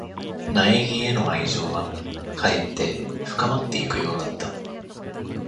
苗木への愛情は、かえって深まっていくようだった。